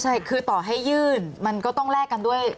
ใช่คือต่อให้ยื่นมันก็ต้องแลกกันด้วย